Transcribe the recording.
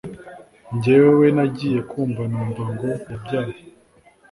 Njyewew nagiye kumva numva ngo yabyaye